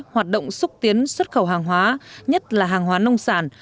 hoạt động xúc tiến xuất khẩu hàng hóa nhất là hàng hóa nông sản